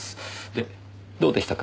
でどうでしたか？